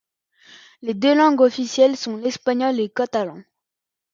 Les deux langues officielles sont l'espagnol et le Catalan.